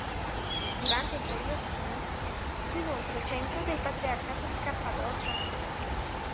Durante il periodo bizantino fu inoltre centro del patriarcato di Cappadocia.